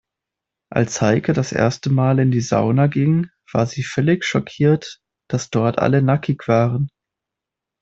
Als Heike das erste Mal in die Sauna ging, war sie völlig schockiert, dass dort alle nackig waren.